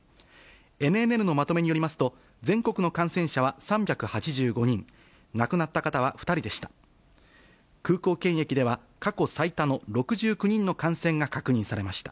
ＮＮＮのまとめによりますと、全国の感染者は３８５人、亡くなった方は２人でした。